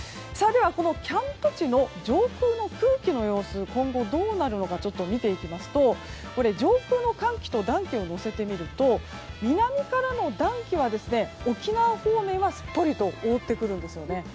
では、このキャンプ地の上空の空気の様子今後どうなるのか見ていきますと上空の寒気と暖気をのせてみると南からの暖気は沖縄方面はすっぽりと覆ってくるんですね。